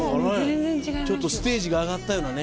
ちょっとステージが上がったようなね。